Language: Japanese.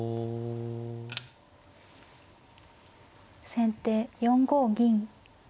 先手４五銀。